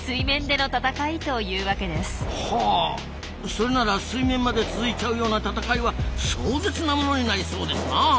それなら水面まで続いちゃうような闘いは壮絶なものになりそうですな。